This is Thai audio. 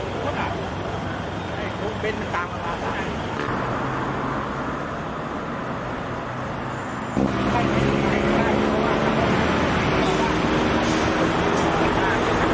เมื่อเวลาเมื่อเวลาเมื่อเวลา